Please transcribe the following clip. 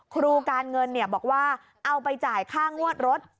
ครูการเงินบอกว่าเอาไปจ่ายค่างวดรถ